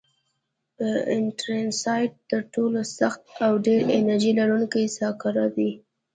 انترسایت تر ټولو سخت او ډېر انرژي لرونکی سکاره دي.